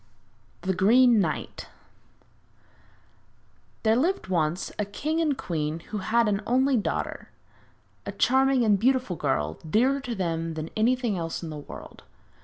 THE GREEN KNIGHT There lived once a king and queen who had an only daughter, a charming and beautiful girl, dearer to them than anything else in the world.